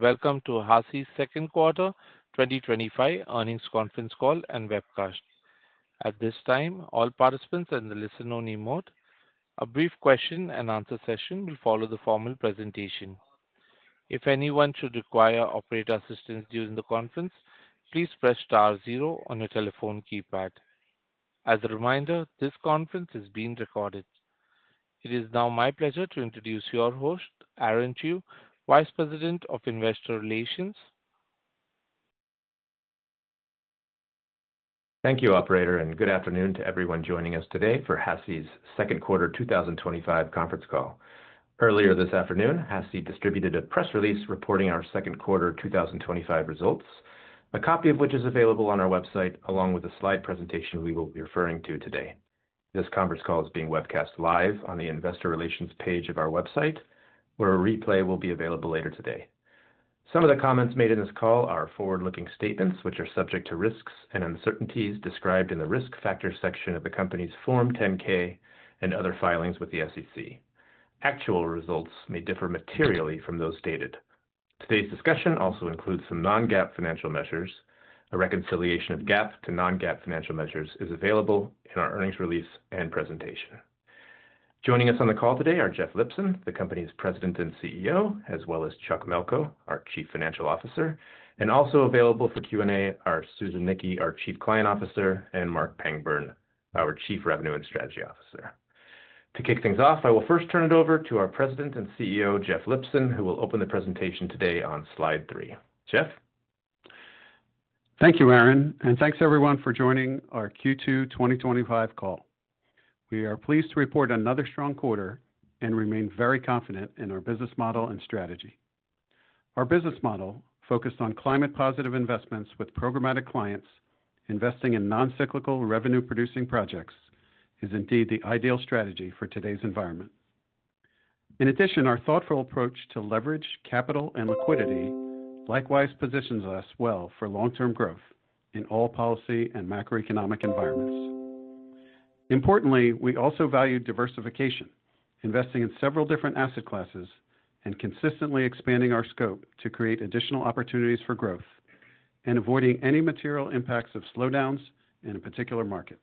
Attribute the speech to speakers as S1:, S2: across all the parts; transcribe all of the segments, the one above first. S1: Welcome to HASI's Second Quarter 2025 Earnings Conference Call and Webcast. At this time, all participants are in the listen-only mode. A brief question and answer session will follow the formal presentation. If anyone should require operator assistance during the conference, please press star zero on your telephone keypad. As a reminder, this conference is being recorded. It is now my pleasure to introduce your host, Aaron Chew, Vice President of Investor Relations.
S2: Thank you, Operator, and good afternoon to everyone joining us today for HASI's Second Quarter 2025 Conference Call. Earlier this afternoon, HASI distributed a press release reporting our second quarter 2025 results, a copy of which is available on our website along with a slide presentation we will be referring to today. This conference call is being webcast live on the Investor Relations page of our website, where a replay will be available later today. Some of the comments made in this call are forward-looking statements, which are subject to risks and uncertainties described in the Risk Factors section of the company's Form 10-K and other filings with the SEC. Actual results may differ materially from those stated. Today's discussion also includes some non-GAAP financial measures. A reconciliation of GAAP to non-GAAP financial measures is available in our earnings release and presentation. Joining us on the call today are Jeff Lipson, the company's President and CEO, as well as Chuck Melko, our Chief Financial Officer, and also available for Q&A are Susan Nickey, our Chief Client Officer, and Marc Pangburn, our Chief Revenue and Strategy Officer. To kick things off, I will first turn it over to our President and CEO, Jeff Lipson, who will open the presentation today on slide three. Jeff?
S3: Thank you, Aaron, and thanks everyone for joining our Q2 2025 call. We are pleased to report another strong quarter and remain very confident in our business model and strategy. Our business model, focused on climate-positive investments with programmatic clients, investing in non-cyclical revenue-producing projects, is indeed the ideal strategy for today's environment. In addition, our thoughtful approach to leverage, capital, and liquidity likewise positions us well for long-term growth in all policy and macroeconomic environments. Importantly, we also value diversification, investing in several different asset classes and consistently expanding our scope to create additional opportunities for growth and avoiding any material impacts of slowdowns in a particular market.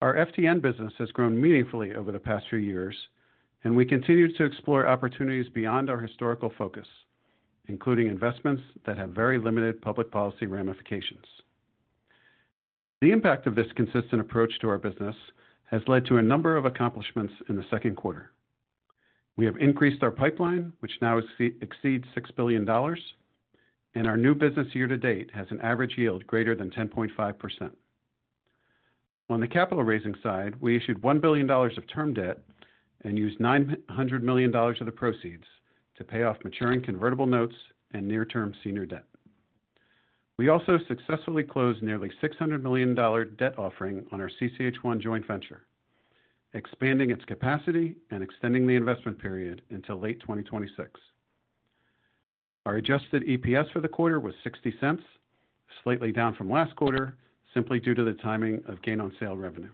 S3: Our FTN business has grown meaningfully over the past few years, and we continue to explore opportunities beyond our historical focus, including investments that have very limited public policy ramifications. The impact of this consistent approach to our business has led to a number of accomplishments in the second quarter. We have increased our pipeline, which now exceeds $6 billion, and our new business year to date has an average yield greater than 10.5%. On the capital raising side, we issued $1 billion of term debt and used $900 million of the proceeds to pay off maturing convertible notes and near-term senior debt. We also successfully closed a nearly $600 million debt offering on our CCH1 joint venture, expanding its capacity and extending the investment period until late 2026. Our adjusted EPS for the quarter was $0.60, slightly down from last quarter simply due to the timing of gain-on-sale revenue.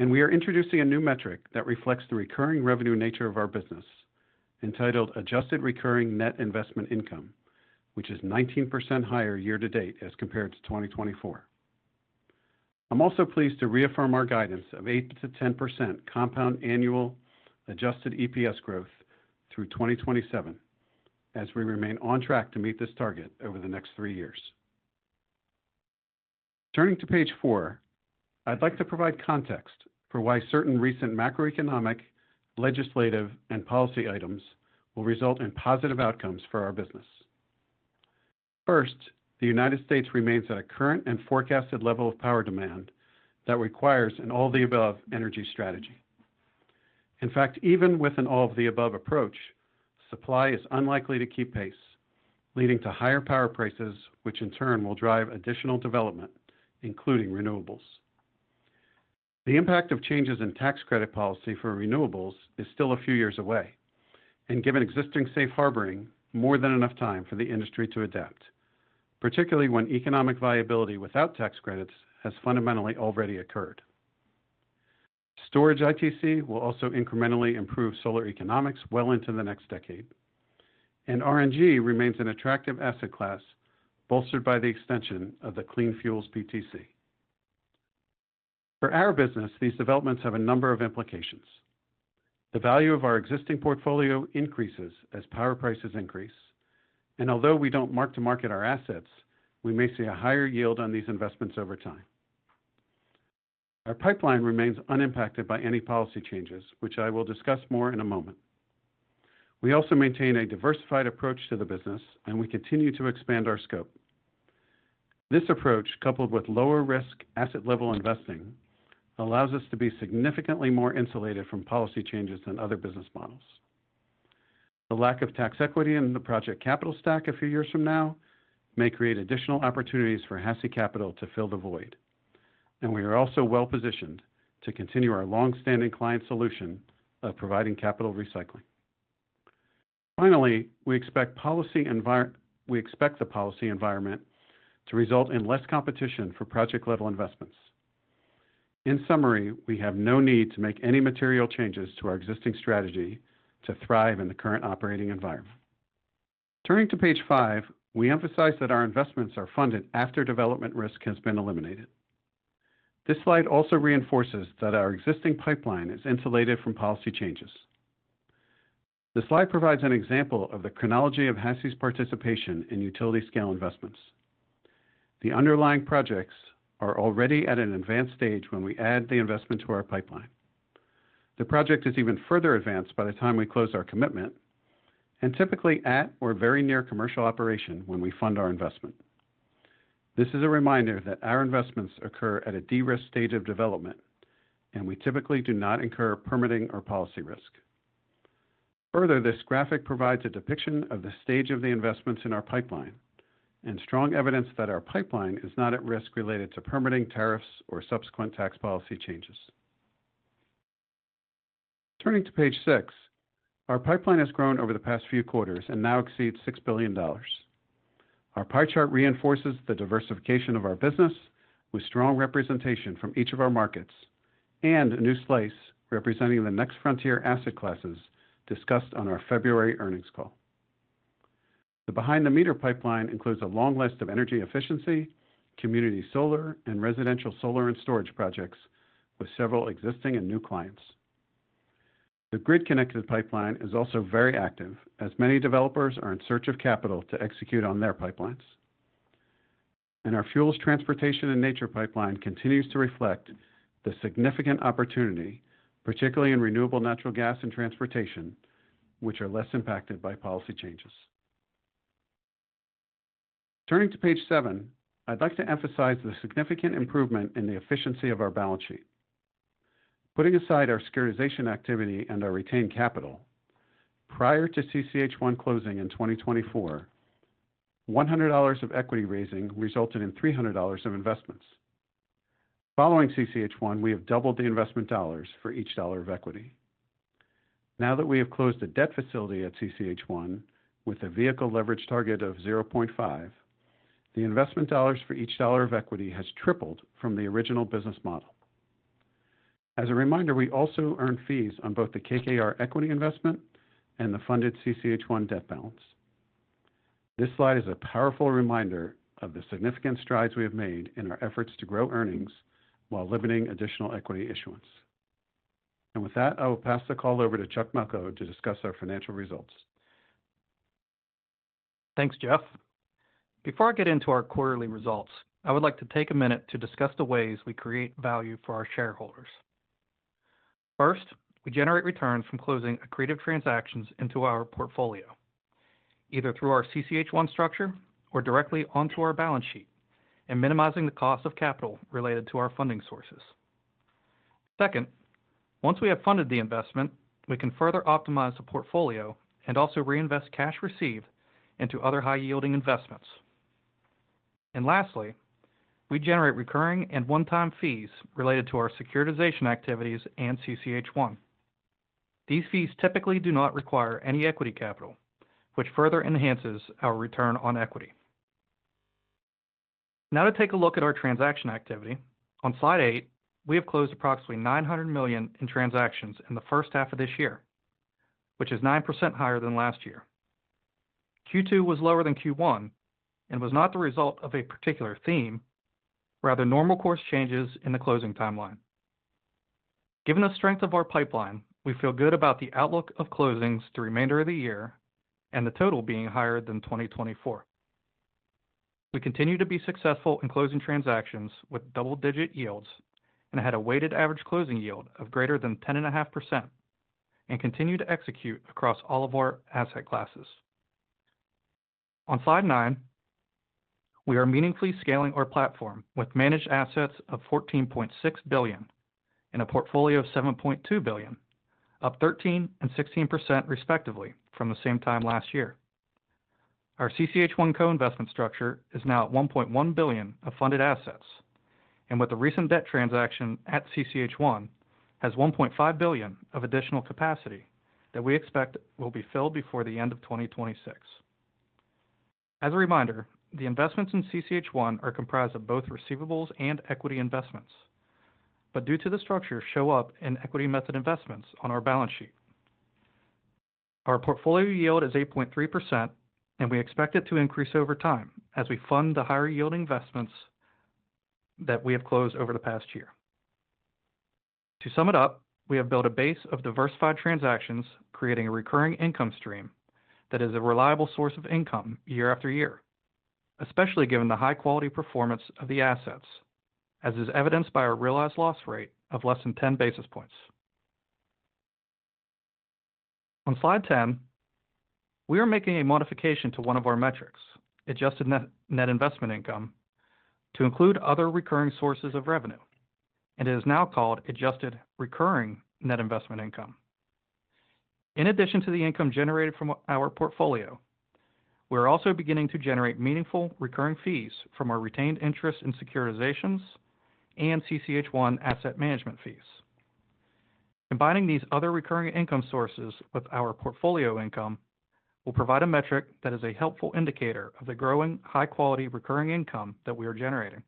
S3: We are introducing a new metric that reflects the recurring revenue nature of our business, entitled Adjusted Recurring Net Investment Income, which is 19% higher year to date as compared to 2024. I'm also pleased to reaffirm our guidance of 8%-10% compound annual adjusted EPS growth through 2027, as we remain on track to meet this target over the next three years. Turning to page four, I'd like to provide context for why certain recent macroeconomic, legislative, and policy items will result in positive outcomes for our business. First, the United States remains at a current and forecasted level of power demand that requires an all-the-above energy strategy. In fact, even with an all-the-above approach, supply is unlikely to keep pace, leading to higher power prices, which in turn will drive additional development, including renewables. The impact of changes in tax credit policy for renewables is still a few years away, and given existing safe harboring, more than enough time for the industry to adapt, particularly when economic viability without tax credits has fundamentally already occurred. Storage ITC will also incrementally improve solar economics well into the next decade, and RNG remains an attractive asset class bolstered by the extension of the Clean Fuels PTC. For our business, these developments have a number of implications. The value of our existing portfolio increases as power prices increase, and although we don't mark to market our assets, we may see a higher yield on these investments over time. Our pipeline remains unimpacted by any policy changes, which I will discuss more in a moment. We also maintain a diversified approach to the business, and we continue to expand our scope. This approach, coupled with lower-risk asset-level investing, allows us to be significantly more insulated from policy changes than other business models. The lack of tax equity in the project capital stack a few years from now may create additional opportunities for HASI capital to fill the void, and we are also well-positioned to continue our longstanding client solution of providing capital recycling. Finally, we expect the policy environment to result in less competition for project-level investments. In summary, we have no need to make any material changes to our existing strategy to thrive in the current operating environment. Turning to page five, we emphasize that our investments are funded after development risk has been eliminated. This slide also reinforces that our existing pipeline is insulated from policy changes. The slide provides an example of the chronology of HASI's participation in utility-scale investments. The underlying projects are already at an advanced stage when we add the investment to our pipeline. The project is even further advanced by the time we close our commitment and typically at or very near commercial operation when we fund our investment. This is a reminder that our investments occur at a de-risk stage of development, and we typically do not incur permitting or policy risk. Further, this graphic provides a depiction of the stage of the investments in our pipeline and strong evidence that our pipeline is not at risk related to permitting, tariffs, or subsequent tax policy changes. Turning to page six, our pipeline has grown over the past few quarters and now exceeds $6 billion. Our pie chart reinforces the diversification of our business with strong representation from each of our markets and a new slice representing the Next Frontier asset classes discussed on our February earnings call. The Behind-the-Meter pipeline includes a long list of energy efficiency, community solar, and residential solar and storage projects with several existing and new clients. The Grid-Connected pipeline is also very active as many developers are in search of capital to execute on their pipelines. Our Fuels, Transportation & Nature pipeline continues to reflect the significant opportunity, particularly in renewable natural gas and transportation, which are less impacted by policy changes. Turning to page seven, I'd like to emphasize the significant improvement in the efficiency of our balance sheet. Putting aside our securitization activity and our retained capital, prior to CCH1 closing in 2024, $100 of equity raising resulted in $300 of investments. Following CCH1, we have doubled the investment dollars for each dollar of equity. Now that we have closed a debt facility at CCH1 with a vehicle leverage target of 0.5, the investment dollars for each dollar of equity has tripled from the original business model. As a reminder, we also earn fees on both the KKR equity investment and the funded CCH1 debt balance. This slide is a powerful reminder of the significant strides we have made in our efforts to grow earnings while limiting additional equity issuance. With that, I will pass the call over to Chuck Melko to discuss our financial results.
S4: Thanks, Jeff. Before I get into our quarterly results, I would like to take a minute to discuss the ways we create value for our shareholders. First, we generate returns from closing accretive transactions into our portfolio, either through our CCH1 structure or directly onto our balance sheet, and minimizing the cost of capital related to our funding sources. Second, once we have funded the investment, we can further optimize the portfolio and also reinvest cash received into other high-yielding investments. Lastly, we generate recurring and one-time fees related to our securitization activities and CCH1. These fees typically do not require any equity capital, which further enhances our return on equity. Now to take a look at our transaction activity, on slide eight, we have closed approximately $900 million in transactions in the first half of this year, which is 9% higher than last year. Q2 was lower than Q1 and was not the result of a particular theme, rather normal course changes in the closing timeline. Given the strength of our pipeline, we feel good about the outlook of closings the remainder of the year and the total being higher than 2024. We continue to be successful in closing transactions with double-digit yields and had a weighted average closing yield of greater than 10.5% and continue to execute across all of our asset classes. On slide nine, we are meaningfully scaling our platform with managed assets of $14.6 billion and a portfolio of $7.2 billion, up 13% and 16% respectively from the same time last year. Our CCH1 co-investment structure is now at $1.1 billion of funded assets, and with a recent debt transaction at CCH1 has $1.5 billion of additional capacity that we expect will be filled before the end of 2026. As a reminder, the investments in CCH1 are comprised of both receivables and equity investments, but due to the structure, show up in equity method investments on our balance sheet. Our portfolio yield is 8.3%, and we expect it to increase over time as we fund the higher-yield investments that we have closed over the past year. To sum it up, we have built a base of diversified transactions, creating a recurring income stream that is a reliable source of income year after year, especially given the high-quality performance of the assets, as is evidenced by our realized loss rate of less than 10 basis points. On slide 10, we are making a modification to one of our metrics, adjusted net investment income, to include other recurring sources of revenue, and it is now called adjusted recurring net investment income. In addition to the income generated from our portfolio, we are also beginning to generate meaningful recurring fees from our retained interest in securitizations and CCH1 asset management fees. Combining these other recurring income sources with our portfolio income will provide a metric that is a helpful indicator of the growing high-quality recurring income that we are generating.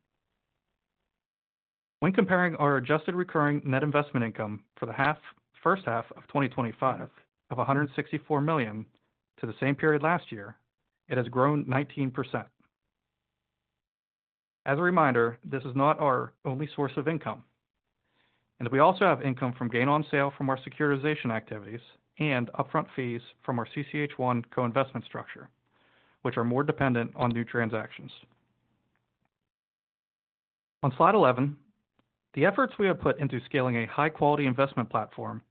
S4: When comparing our adjusted recurring net investment income for the first half of 2025 of $164 million to the same period last year, it has grown 19%. As a reminder, this is not our only source of income, and we also have income from gain-on-sale from our securitization activities and upfront fees from our CCH1 co-investment structure, which are more dependent on new transactions. On slide 11, the efforts we have put into scaling a high-quality investment platform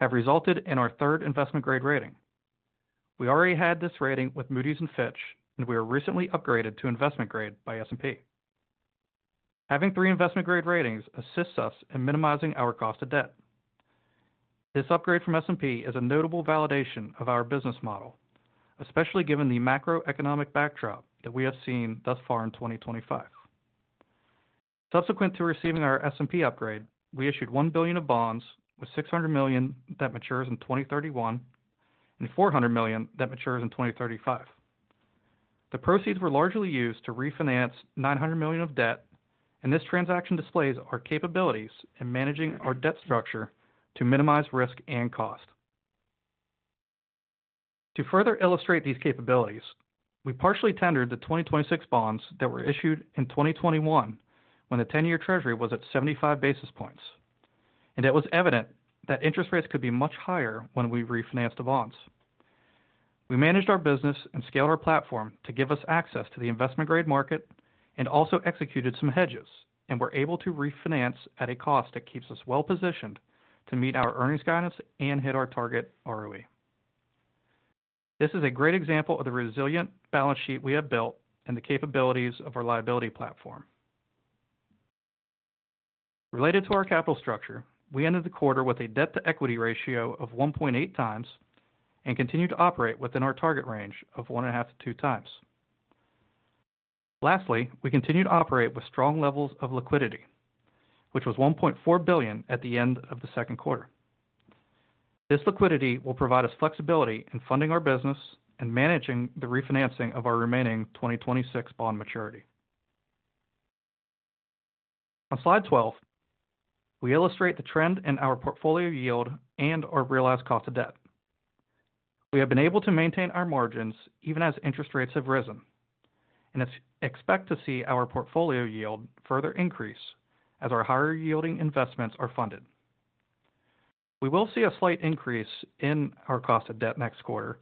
S4: have resulted in our third investment-grade rating. We already had this rating with Moody's and Fitch, and we were recently upgraded to investment-grade by S&P. Having three investment-grade ratings assists us in minimizing our cost of debt. This upgrade from S&P is a notable validation of our business model, especially given the macroeconomic backdrop that we have seen thus far in 2025. Subsequent to receiving our S&P upgrade, we issued $1 billion of bonds with $600 million that matures in 2031 and $400 million that matures in 2035. The proceeds were largely used to refinance $900 million of debt, and this transaction displays our capabilities in managing our debt structure to minimize risk and cost. To further illustrate these capabilities, we partially tendered the 2026 bonds that were issued in 2021 when the 10-year treasury was at 75 basis points, and it was evident that interest rates could be much higher when we refinanced the bonds. We managed our business and scaled our platform to give us access to the investment-grade market and also executed some hedges and were able to refinance at a cost that keeps us well-positioned to meet our earnings guidance and hit our target ROE. This is a great example of the resilient balance sheet we have built and the capabilities of our liability platform. Related to our capital structure, we ended the quarter with a debt-to-equity ratio of 1.8x and continue to operate within our target range of 1.5x-2x. Lastly, we continue to operate with strong levels of liquidity, which was $1.4 billion at the end of the second quarter. This liquidity will provide us flexibility in funding our business and managing the refinancing of our remaining 2026 bond maturity. On slide 12, we illustrate the trend in our portfolio yield and our realized cost of debt. We have been able to maintain our margins even as interest rates have risen, and expect to see our portfolio yield further increase as our higher-yielding investments are funded. We will see a slight increase in our cost of debt next quarter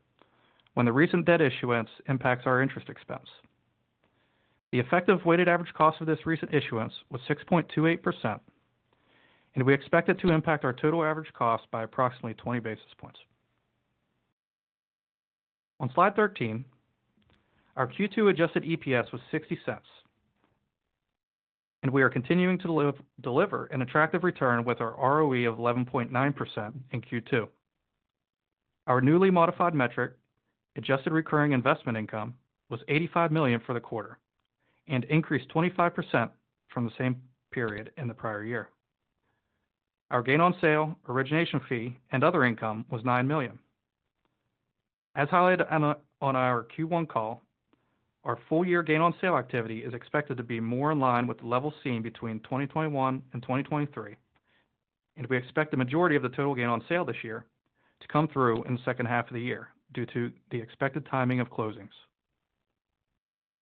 S4: when the recent debt issuance impacts our interest expense. The effective weighted average cost of this recent issuance was 6.28%, and we expect it to impact our total average cost by approximately 20 basis points. On slide 13, our Q2 adjusted EPS was $0.60, and we are continuing to deliver an attractive return with our ROE of 11.9% in Q2. Our newly modified metric, adjusted recurring net investment income, was $85 million for the quarter and increased 25% from the same period in the prior year. Our gain-on-sale origination fee and other income was $9 million. As highlighted on our Q1 call, our full-year gain-on-sale activity is expected to be more in line with the levels seen between 2021 and 2023, and we expect the majority of the total gain-on-sale this year to come through in the second half of the year due to the expected timing of closings.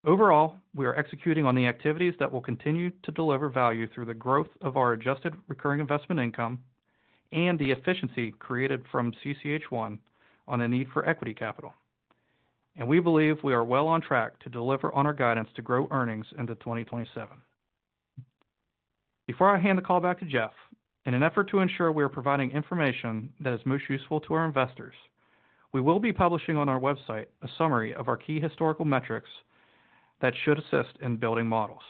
S4: Overall, we are executing on the activities that will continue to deliver value through the growth of our adjusted recurring net investment income and the efficiency created from CCH1 on the need for equity capital, and we believe we are well on track to deliver on our guidance to grow earnings into 2027. Before I hand the call back to Jeff, in an effort to ensure we are providing information that is most useful to our investors, we will be publishing on our website a summary of our key historical metrics that should assist in building models.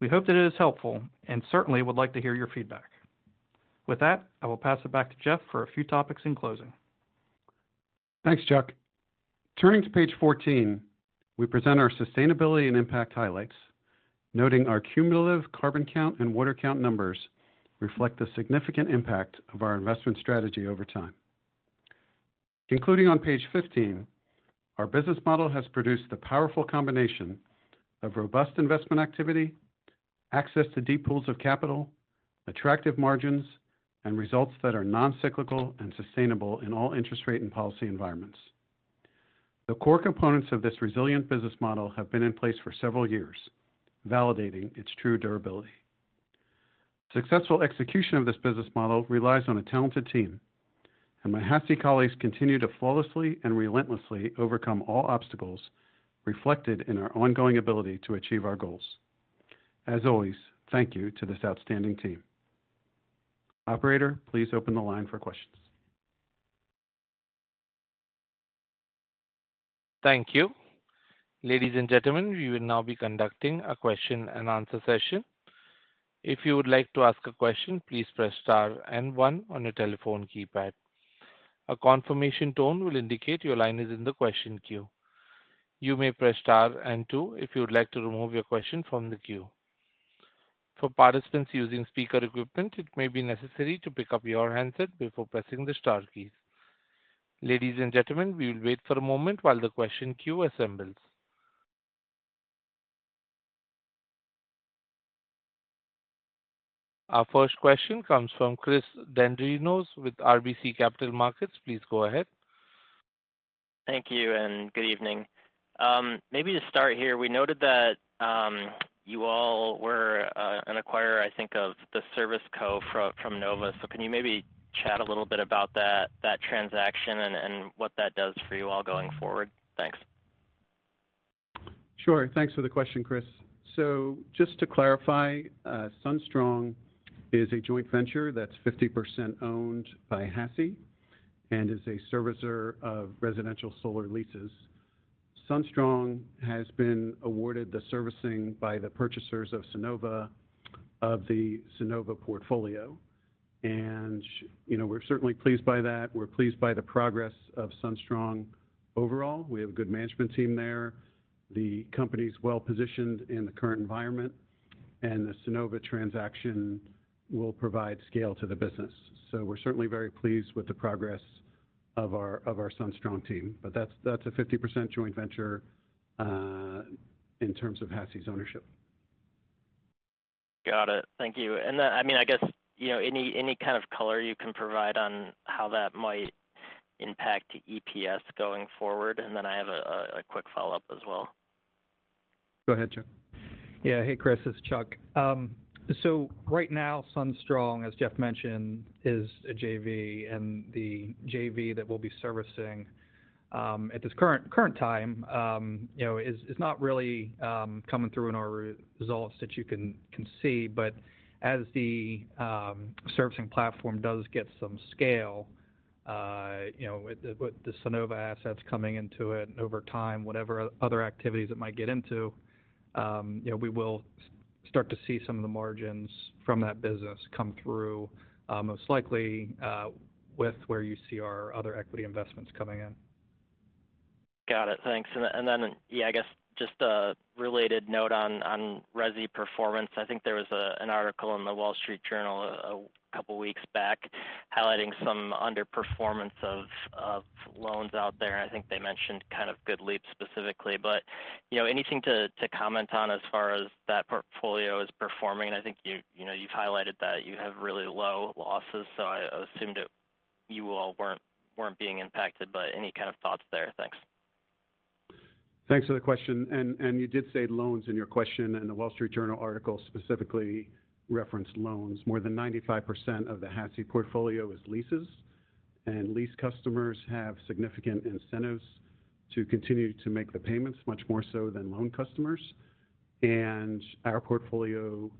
S4: We hope that it is helpful and certainly would like to hear your feedback. With that, I will pass it back to Jeff for a few topics in closing.
S3: Thanks, Chuck. Turning to page 14, we present our sustainability and impact highlights, noting our cumulative carbon count and water count numbers reflect the significant impact of our investment strategy over time. Concluding on page 15, our business model has produced the powerful combination of robust investment activity, access to deep pools of capital, attractive margins, and results that are non-cyclical and sustainable in all interest rate and policy environments. The core components of this resilient business model have been in place for several years, validating its true durability. Successful execution of this business model relies on a talented team, and HASI colleagues continue to flawlessly and relentlessly overcome all obstacles reflected in our ongoing ability to achieve our goals. As always, thank you to this outstanding team. Operator, please open the line for questions.
S1: Thank you. Ladies and gentlemen, we will now be conducting a question and answer session. If you would like to ask a question, please press star and one on your telephone keypad. A confirmation tone will indicate your line is in the question queue. You may press star and two if you would like to remove your question from the queue. For participants using speaker equipment, it may be necessary to pick up your handset before pressing the star key. Ladies and gentlemen, we will wait for a moment while the question queue assembles. Our first question comes from Chris Dendrinos with RBC Capital Markets. Please go ahead.
S5: Thank you and good evening. Maybe to start here, we noted that you all were an acquirer, I think, of the ServiceCo from [Sunnova]. Can you maybe chat a little bit about that transaction and what that does for you all going forward? Thanks.
S3: Sure. Thanks for the question, Chris. Just to clarify, SunStrong is a joint venture that's 50% owned by HASI and is a servicer of residential solar leases. SunStrong has been awarded the servicing by the purchasers of Sunnova of the Sunnova portfolio, and we're certainly pleased by that. We're pleased by the progress of SunStrong overall. We have a good management team there. The company is well-positioned in the current environment, and the Sunnova transaction will provide scale to the business. We're certainly very pleased with the progress of our SunStrong team, but that's a 50% joint venture in terms of HASI's ownership.
S5: Got it. Thank you. I mean, I guess you know any kind of color you can provide on how that might impact EPS going forward, and I have a quick follow-up as well.
S3: Go ahead, Chuck.
S4: Yeah. Hey, Chris. This is Chuck. Right now, SunStrong, as Jeff mentioned, is a JV, and the JV that we'll be servicing at this current time is not really coming through in our results that you can see. As the servicing platform does get some scale with the Sunnova assets coming into it and over time, whatever other activities it might get into, we will start to see some of the margins from that business come through, most likely with where you see our other equity investments coming in.
S5: Got it. Thanks. I guess just a related note on RESI performance. I think there was an article in The Wall Street Journal a couple of weeks back highlighting some underperformance of loans out there. I think they mentioned GoodLeap specifically. Anything to comment on as far as that portfolio is performing? I think you've highlighted that you have really low losses, so I assumed that you all weren't being impacted. Any kind of thoughts there? Thanks.
S3: Thanks for the question. You did say loans in your question, and The Wall Street Journal article specifically referenced loans. More than 95% of HASI portfolio is leases, and lease customers have significant incentives to continue to make the payments, much more so than loan customers. Our portfolio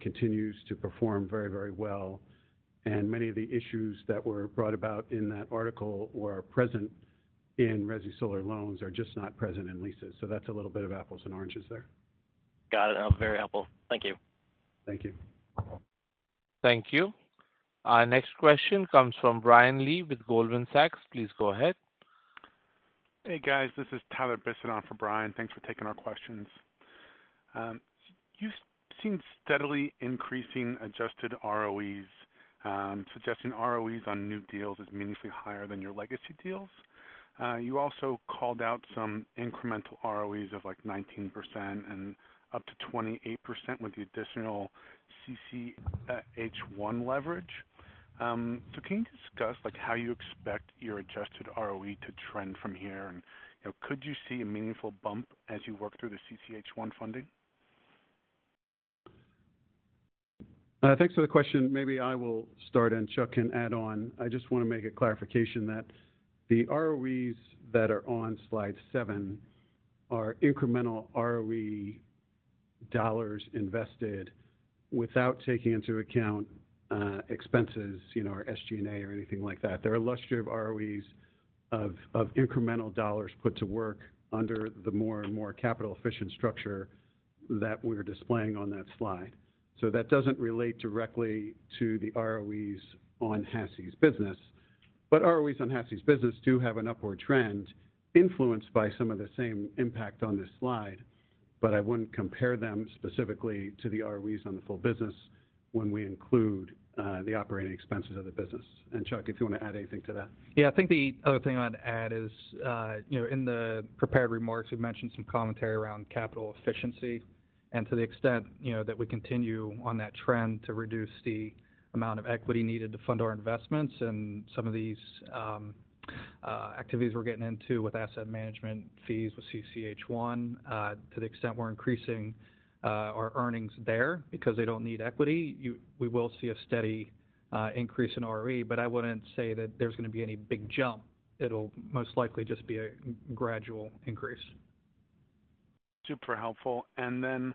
S3: continues to perform very, very well. Many of the issues that were brought about in that article were present in residential solar loans, they're just not present in leases. That's a little bit of apples and oranges there.
S5: Got it. That was very helpful. Thank you.
S3: Thank you.
S1: Thank you. Our next question comes from Brian Lee with Goldman Sachs. Please go ahead.
S6: Hey, guys. This is Tyler Bisset for Brian. Thanks for taking our questions. You've seen steadily increasing adjusted ROEs, suggesting ROEs on new deals as meaningfully higher than your legacy deals. You also called out some incremental ROEs of like 19% and up to 28% with the additional CCH1 leverage. Can you discuss how you expect your adjusted ROE to trend from here? Could you see a meaningful bump as you work through the CCH1 funding?
S3: Thanks for the question. Maybe I will start, and Chuck can add on. I just want to make a clarification that the ROEs that are on slide seven are incremental ROE dollars invested without taking into account expenses or SG&A or anything like that. There are a cluster of ROEs of incremental dollars put to work under the more and more capital-efficient structure that we're displaying on that slide. That doesn't relate directly to the ROEs on HASI's business, but ROEs on HASI's business do have an upward trend influenced by some of the same impact on this slide. I wouldn't compare them specifically to the ROEs on the full business when we include the operating expenses of the business. Chuck, if you want to add anything to that.
S4: Yeah. I think the other thing I'd add is, you know, in the prepared remarks, we mentioned some commentary around capital efficiency. To the extent that we continue on that trend to reduce the amount of equity needed to fund our investments in some of these activities we're getting into with asset management fees with CCH1, to the extent we're increasing our earnings there because they don't need equity, we will see a steady increase in ROE. I wouldn't say that there's going to be any big jump. It'll most likely just be a gradual increase.
S6: Super helpful. On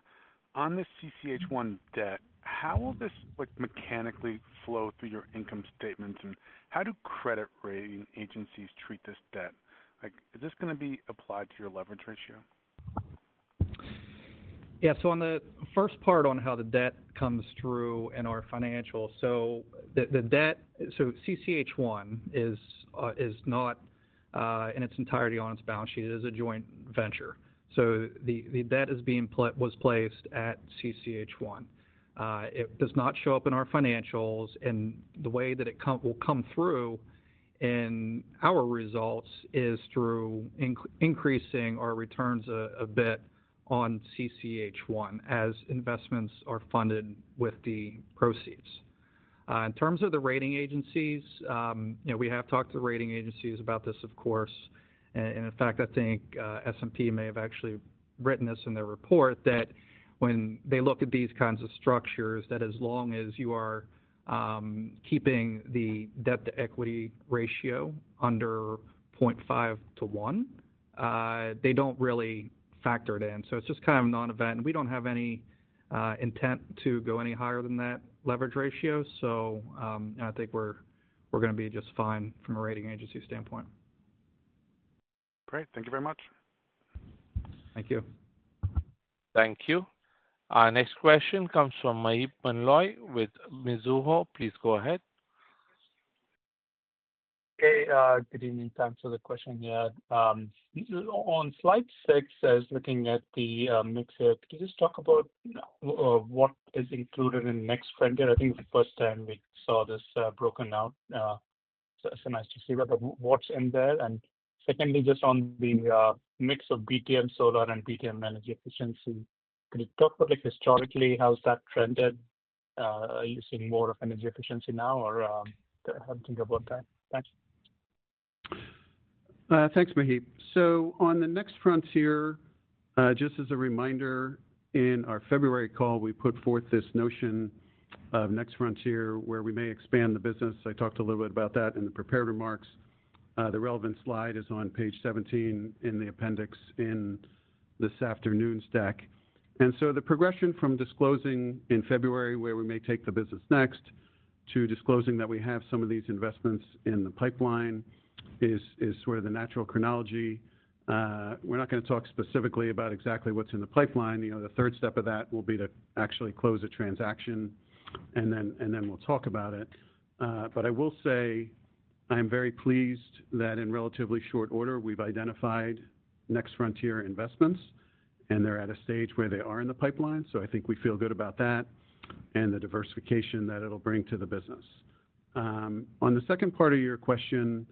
S6: the CCH1 debt, how will this mechanically flow through your income statements, and how do credit rating agencies treat this debt? Is this going to be applied to your leverage ratio?
S4: Yeah. On the first part on how the debt comes through in our financials, the debt, so CCH1 is not in its entirety on its balance sheet. It is a joint venture. The debt was placed at CCH1. It does not show up in our financials, and the way that it will come through in our results is through increasing our returns a bit on CCH1 as investments are funded with the proceeds. In terms of the rating agencies, we have talked to the rating agencies about this, of course. In fact, I think S&P may have actually written this in their report that when they look at these kinds of structures, as long as you are keeping the debt-to-equity ratio under 0.5 to 1, they don't really factor it in. It's just kind of a non-event, and we don't have any intent to go any higher than that leverage ratio. I think we're going to be just fine from a rating agency standpoint.
S6: Great. Thank you very much.
S3: Thank you.
S1: Thank you. Our next question comes from Maheep Mandloi with Mizuho. Please go ahead.
S7: Good evening. Thanks for the question, yeah. On slide six, as looking at the Next Frontier, could you just talk about what is included in the Next Frontier? I think it's the first time we saw this broken out. It's nice to see that. What's in there? Secondly, just on the mix of BTM solar and BTM energy efficiency, can you talk about historically how's that trended? Are you seeing more of energy efficiency now, or how do you think about that?
S3: Thanks, Maheep. On the Next Frontier, just as a reminder, in our February call, we put forth this notion of Next Frontier where we may expand the business. I talked a little bit about that in the prepared remarks. The relevant slide is on page 17 in the appendix in this afternoon's deck. The progression from disclosing in February where we may take the business next to disclosing that we have some of these investments in the pipeline is sort of the natural chronology. We're not going to talk specifically about exactly what's in the pipeline. The third step of that will be to actually close a transaction, and then we'll talk about it. I will say I'm very pleased that in relatively short order, we've identified Next Frontier investments, and they're at a stage where they are in the pipeline. I think we feel good about that and the diversification that it'll bring to the business. On the second part of your question,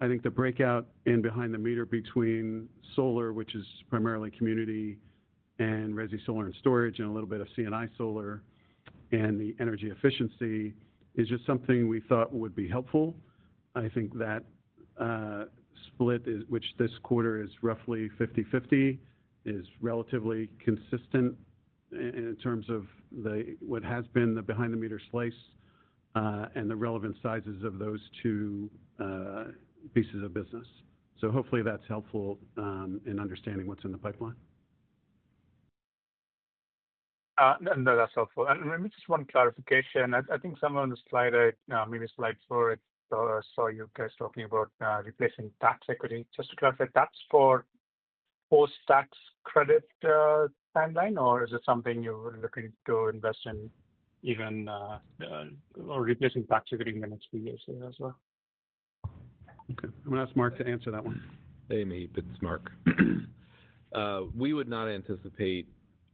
S3: I think the breakout in Behind-the-Meter between solar, which is primarily community, and residential solar and storage, and a little bit of C&I solar and the energy efficiency is just something we thought would be helpful. I think that split, which this quarter is roughly 50/50, is relatively consistent in terms of what has been the Behind-the-Meter slice and the relevant sizes of those two pieces of business. Hopefully, that's helpful in understanding what's in the pipeline.
S7: No, that's helpful. Maybe just one clarification. I think somewhere on the slide, maybe slide four, I saw you guys talking about replacing tax equity. Just to clarify, that's for post-tax credit timeline, or is it something you're looking to invest in, even or replacing tax equity in the next few years here as well?
S3: Okay. I'm going to ask Marc to answer that one.
S8: Hey, Maheep. It's Marc. We would not anticipate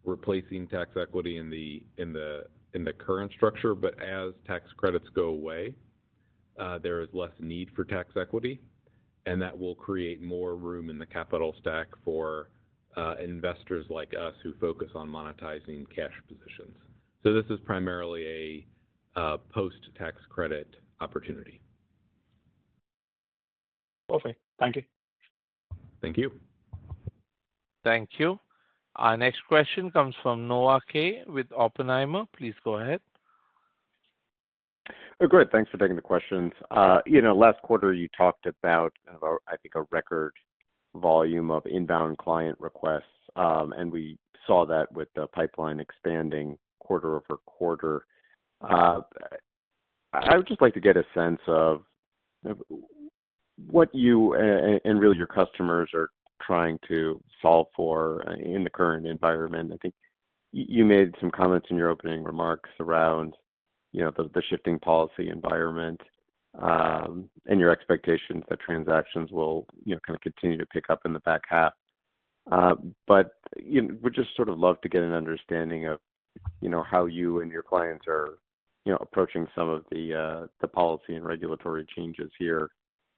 S8: replacing tax equity in the current structure, but as tax credits go away, there is less need for tax equity, and that will create more room in the capital stack for investors like us who focus on monetizing cash positions. This is primarily a post-tax credit opportunity.
S7: Perfect. Thank you.
S8: Thank you.
S1: Thank you. Our next question comes from Noah Kaye with Oppenheimer. Please go ahead.
S9: Oh, great. Thanks for taking the questions. Last quarter, you talked about, I think, a record volume of inbound client requests, and we saw that with the pipeline expanding quarter over quarter. I would just like to get a sense of what you and really your customers are trying to solve for in the current environment. I think you made some comments in your opening remarks around the shifting policy environment and your expectations that transactions will continue to pick up in the back half. We'd just sort of love to get an understanding of how you and your clients are approaching some of the policy and regulatory changes here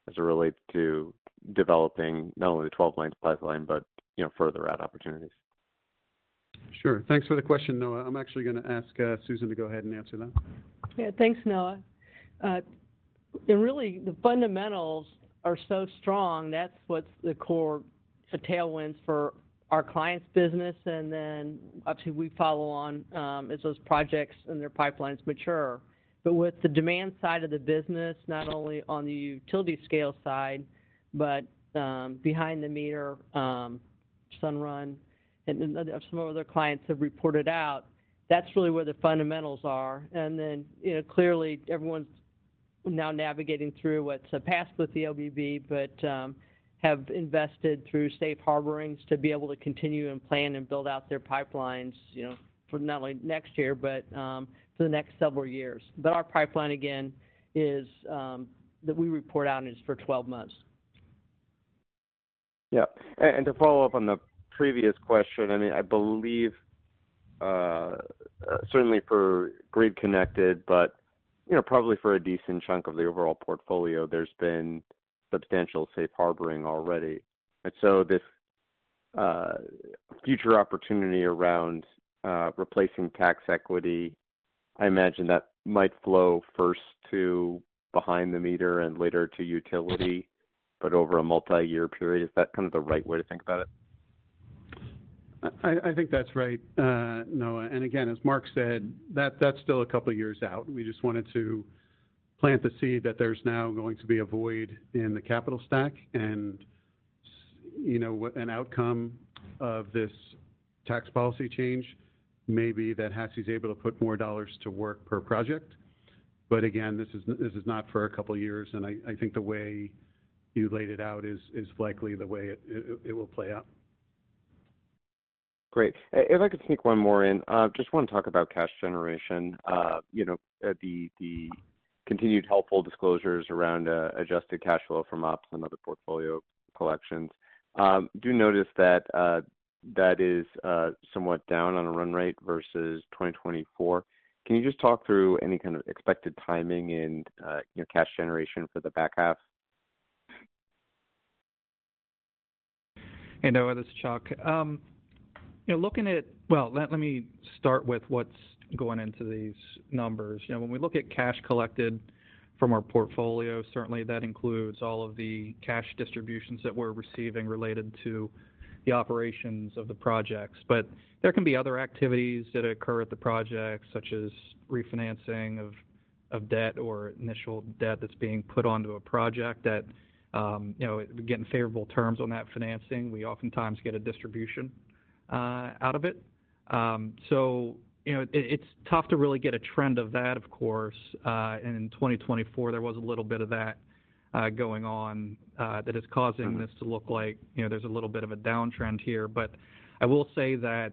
S9: as it relates to developing not only the 12-month pipeline, but further add opportunities.
S3: Sure. Thanks for the question, Noah. I'm actually going to ask Susan to go ahead and answer that.
S10: Yeah. Thanks, Noah. The fundamentals are so strong. That's what's the core tailwinds for our clients' business. Obviously, we follow on as those projects and their pipelines mature. With the demand side of the business, not only on the utility scale side, but behind the meter, Sunrun and some of their clients have reported out, that's really where the fundamentals are. Clearly, everyone's now navigating through what's a pass with the [OBB], but have invested through safe harborings to be able to continue and plan and build out their pipelines for not only next year, but for the next several years. Our pipeline, again, is that we report out is for 12 months.
S9: Yeah. To follow up on the previous question, I mean, I believe certainly for grid-connected, but you know, probably for a decent chunk of the overall portfolio, there's been substantial safe harboring already. This future opportunity around replacing tax equity, I imagine that might flow first to behind the meter and later to utility, but over a multi-year period. Is that kind of the right way to think about it?
S3: I think that's right, Noah. As Marc said, that's still a couple of years out. We just wanted to plant the seed that there's now going to be a void in the capital stack. You know, an outcome of this tax policy change may be HASI is able to put more dollars to work per project. Again, this is not for a couple of years, and I think the way you laid it out is likely the way it will play out.
S9: Great. If I could sneak one more in, I just want to talk about cash generation. You know, the continued helpful disclosures around adjusted cash flow from ops and other portfolio collections. I do notice that that is somewhat down on a run rate versus 2024. Can you just talk through any kind of expected timing in cash generation for the back half?
S4: Hey, Noah. This is Chuck. Looking at what's going into these numbers, when we look at cash collected from our portfolio, certainly that includes all of the cash distributions that we're receiving related to the operations of the projects. There can be other activities that occur at the project, such as refinancing of debt or initial debt that's being put onto a project that, getting favorable terms on that financing, we oftentimes get a distribution out of it. It's tough to really get a trend of that, of course. In 2024, there was a little bit of that going on that is causing this to look like there's a little bit of a downtrend here. I will say that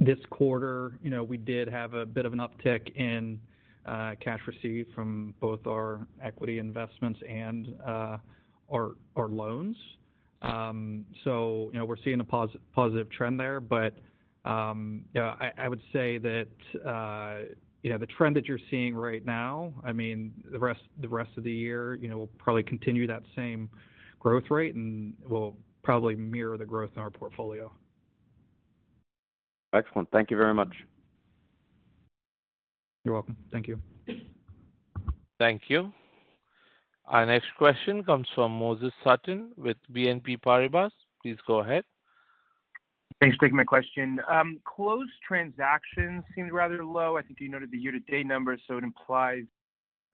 S4: this quarter, we did have a bit of an uptick in cash received from both our equity investments and our loans. We're seeing a positive trend there. I would say that the trend that you're seeing right now, the rest of the year, we'll probably continue that same growth rate and will probably mirror the growth in our portfolio.
S9: Excellent. Thank you very much.
S4: You're welcome. Thank you.
S1: Thank you. Our next question comes from Moses Sutton with BNP Paribas. Please go ahead.
S11: Thanks for taking my question. Closed transactions seemed rather low. I think you noted the year-to-date numbers, so it implies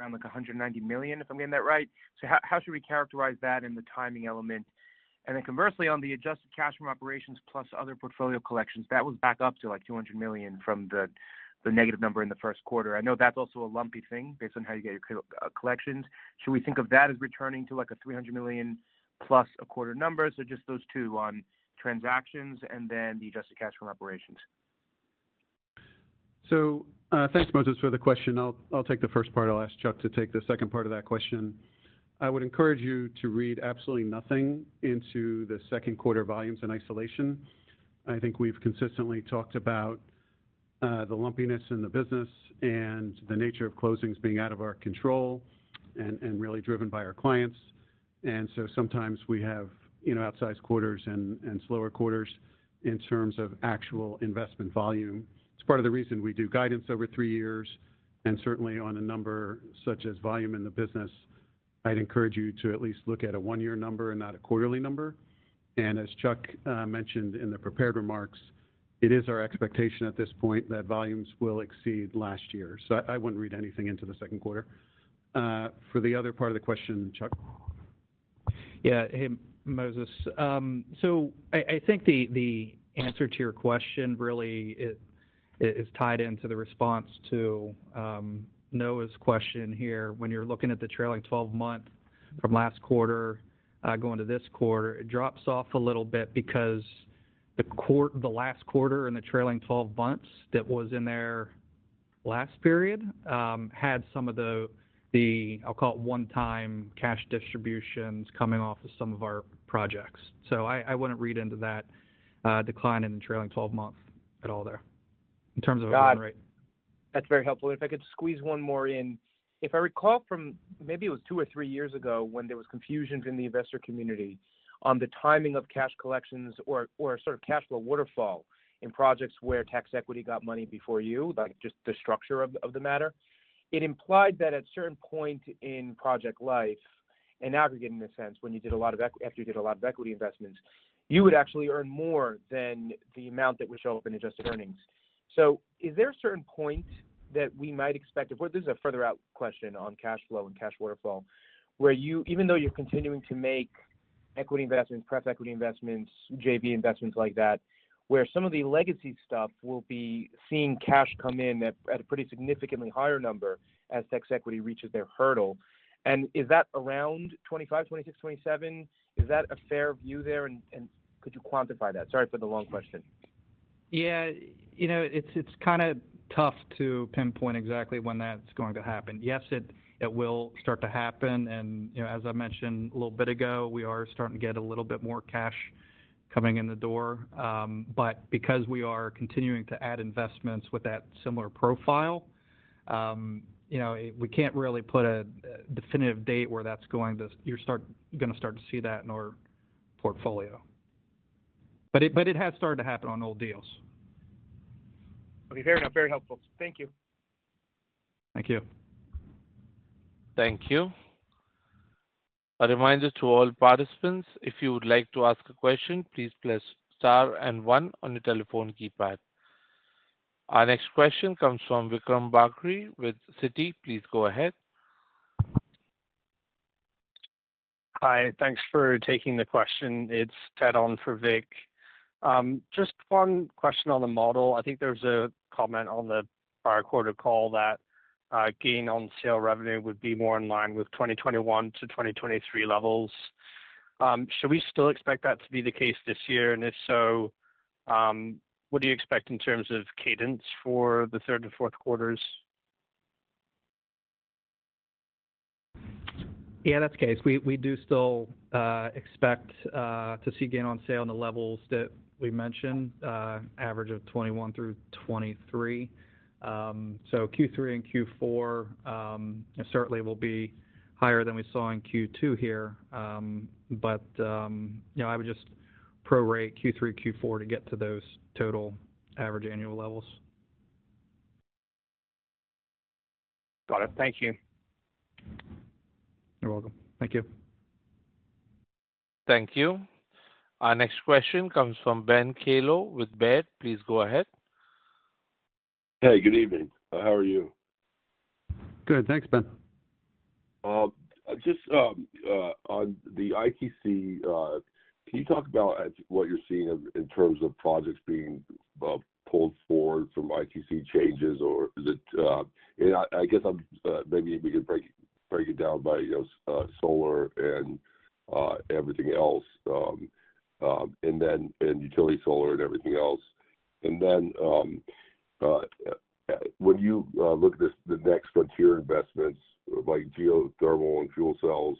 S11: around $190 million, if I'm getting that right. How should we characterize that in the timing element? Conversely, on the adjusted cash from operations plus other portfolio collections, that was back up to $200 million from the negative number in the first quarter. I know that's also a lumpy thing based on how you get your collections. Should we think of that as returning to a $300 million plus a quarter number? Just those two on transactions and then the adjusted cash from operations.
S3: Thanks, Moses, for the question. I'll take the first part. I'll ask Chuck to take the second part of that question. I would encourage you to read absolutely nothing into the second quarter volumes in isolation. I think we've consistently talked about the lumpiness in the business and the nature of closings being out of our control and really driven by our clients. Sometimes we have outsized quarters and slower quarters in terms of actual investment volume. It's part of the reason we do guidance over three years. Certainly, on a number such as volume in the business, I'd encourage you to at least look at a one-year number and not a quarterly number. As Chuck mentioned in the prepared remarks, it is our expectation at this point that volumes will exceed last year. I wouldn't read anything into the second quarter. For the other part of the question, Chuck.
S4: Yeah. Hey, Moses. I think the answer to your question really is tied into the response to Noah's question here. When you're looking at the trailing 12 months from last quarter, going to this quarter, it drops off a little bit because the last quarter in the trailing 12 months that was in their last period had some of the, I'll call it, one-time cash distributions coming off of some of our projects. I wouldn't read into that decline in the trailing 12 months at all there, in terms of a run rate.
S11: That's very helpful. If I could squeeze one more in, if I recall from maybe it was two or three years ago when there was confusion in the investor community on the timing of cash collections or sort of cash flow waterfall in projects where tax equity got money before you, just the structure of the matter, it implied that at a certain point in project life, in aggregate, when you did a lot of equity, after you did a lot of equity investments, you would actually earn more than the amount that was shown up in adjusted earnings. Is there a certain point that we might expect? This is a further out question on cash flow and cash waterfall, where you, even though you're continuing to make equity investments, prep equity investments, JV investments like that, where some of the legacy stuff will be seeing cash come in at a pretty significantly higher number as tax equity reaches their hurdle. Is that around 2025, 2026, 2027? Is that a fair view there? Could you quantify that? Sorry for the long question.
S4: Yeah, it's kind of tough to pinpoint exactly when that's going to happen. Yes, it will start to happen. As I mentioned a little bit ago, we are starting to get a little bit more cash coming in the door. Because we are continuing to add investments with that similar profile, we can't really put a definitive date where you're going to start to see that in our portfolio. It has started to happen on old deals.
S11: Okay. Fair enough. Very helpful. Thank you.
S3: Thank you.
S1: Thank you. I'd remind all participants, if you would like to ask a question, please press star and one on your telephone keypad. Our next question comes from Vikram Bagri with Citi. Please go ahead.
S12: Hi. Thanks for taking the question. It's Ted on for Vik. Just one question on the model. I think there's a comment on the prior quarter call that gain on sale revenue would be more in line with 2021 to 2023 levels. Should we still expect that to be the case this year? If so, what do you expect in terms of cadence for the third and fourth quarters?
S4: Yeah, that's the case. We do still expect to see gain on sale in the levels that we mentioned, average of 2021 through 2023. Q3 and Q4 certainly will be higher than we saw in Q2 here. I would just prorate Q3, Q4 to get to those total average annual levels.
S12: Got it. Thank you.
S4: You're welcome.
S3: Thank you.
S1: Thank you. Our next question comes from Ben Kallo with Baird. Please go ahead.
S13: Hey, good evening. How are you?
S3: Good. Thanks, Ben.
S13: Just on the ITC, can you talk about what you're seeing in terms of projects being pulled forward from ITC changes? Or is it, if we could break it down by solar and everything else, and then utility solar and everything else. When you look at the Next Frontier investments like geothermal and fuel cells,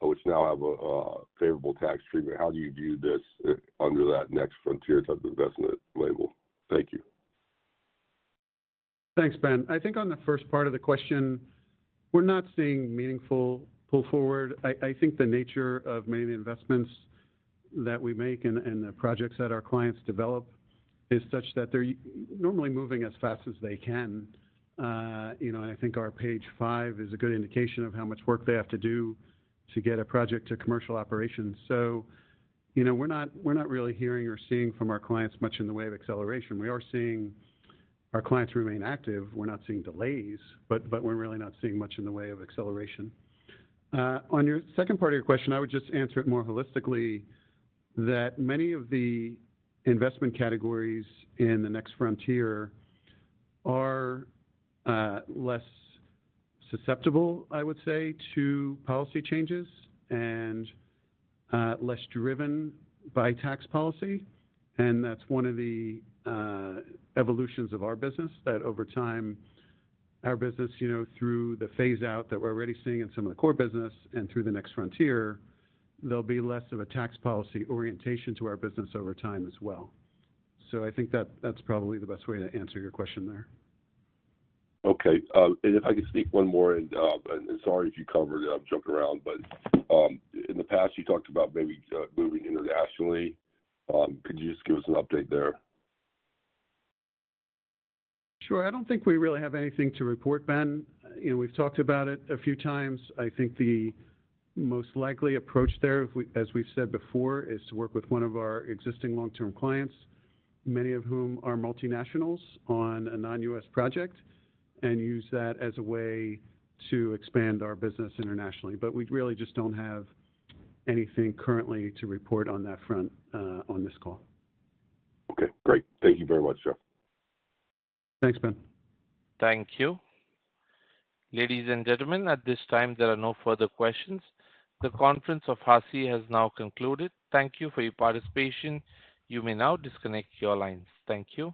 S13: which now have a favorable tax treatment, how do you view this under that Next Frontier type of investment label? Thank you.
S3: Thanks, Ben. I think on the first part of the question, we're not seeing meaningful pull forward. I think the nature of many of the investments that we make and the projects that our clients develop is such that they're normally moving as fast as they can. I think our page five is a good indication of how much work they have to do to get a project to commercial operations. We're not really hearing or seeing from our clients much in the way of acceleration. We are seeing our clients remain active. We're not seeing delays, but we're really not seeing much in the way of acceleration. On your second part of your question, I would just answer it more holistically that many of the investment categories in the Next Frontier are less susceptible, I would say, to policy changes and less driven by tax policy. That's one of the evolutions of our business that over time, our business, through the phase-out that we're already seeing in some of the core business and through the Next Frontier, there'll be less of a tax policy orientation to our business over time as well. I think that that's probably the best way to answer your question there.
S13: Okay. If I could sneak one more, sorry if you covered it, I've jumped around, but in the past, you talked about maybe moving internationally. Could you just give us an update there?
S3: Sure. I don't think we really have anything to report, Ben. You know, we've talked about it a few times. I think the most likely approach there, as we've said before, is to work with one of our existing long-term clients, many of whom are multinationals, on a non-U.S. project and use that as a way to expand our business internationally. We really just don't have anything currently to report on that front on this call.
S13: Okay. Great. Thank you very much, Jeff.
S3: Thanks, Ben.
S1: Thank you. Ladies and gentlemen, at this time, there are no further questions. The conference HASI has now concluded. Thank you for your participation. You may now disconnect your lines. Thank you.